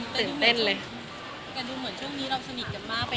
แต่เดินเลยจะดูเหมือนช่วงนี้เราสนิกกันมากไป